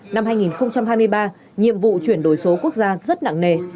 năm hai nghìn hai mươi ba nhiệm vụ chuyển đổi số quốc gia rất nặng nề